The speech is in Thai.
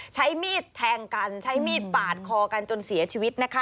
ใช้มีดแทงกันใช้มีดปาดคอกันจนเสียชีวิตนะคะ